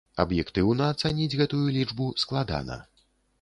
Аб'ектыўна ацаніць гэтую лічбу складана.